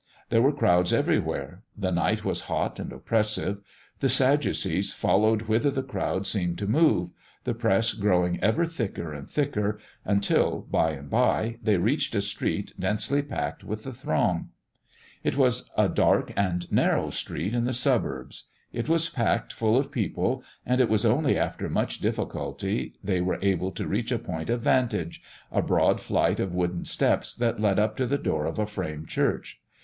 There were crowds everywhere. The night was hot and oppressive. The sadducees followed whither the crowd seemed to move, the press growing ever thicker and thicker, until, by and by, they reached a street densely packed with the throng. It was a dark and narrow street in the suburbs. It was packed full of people, and it was only after much difficulty they were able to reach a point of vantage a broad flight of wooden steps that led up to the door of a frame church.